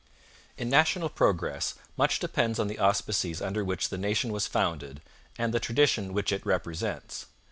In national progress much depends on the auspices under which the nation was founded and the tradition which it represents.